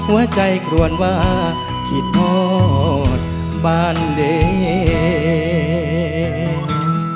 หัวใจกลวนว่าคิดหมดบ้านเด็ด